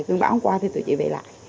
cường báo không qua thì tụi chị về lại